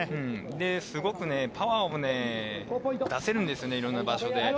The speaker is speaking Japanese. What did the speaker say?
すごくパワーも出せるんですよね、いろんな場所で。